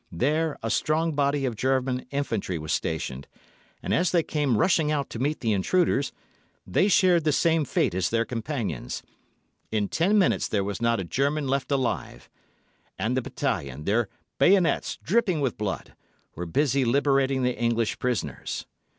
There, a strong body of German infantry were stationed, and, as they came rushing out to meet the intruders, they shared the same fate as their companions. In ten minutes there was not a German left alive, and the O——s, their bayonets dripping with blood, were busy liberating the English prisoners.